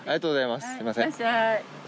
すみません。